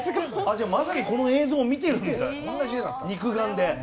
じゃあまさにこの映像を見てる肉眼で。